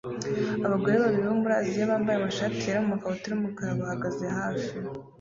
Abagore babiri bo muri Aziya bambaye amashati yera namakabutura yumukara bahagaze hafi